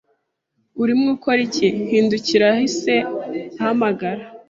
Urimo ukora iki Hindukira yahise ahamagara